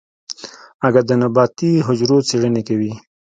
اگه د نباتي حجرو څېړنې کوي.